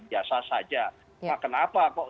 biasa saja kenapa kok